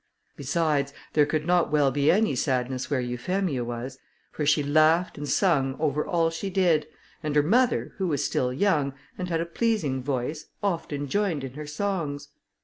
Besides, there could not well be any sadness where Euphemia was, for she laughed and sung over all she did, and her mother, who was still young, and had a pleasing voice, often joined in her songs.